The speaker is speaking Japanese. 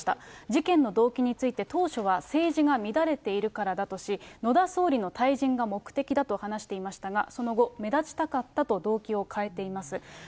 事件の動機について、当初は政治が乱れているからだとし、野田総理の退陣が目的だと話していましたが、その後、目立ちたかったと動機を変えています。